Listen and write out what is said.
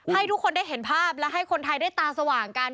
ให้ทุกคนได้เห็นภาพและให้คนไทยได้ตาสว่างกัน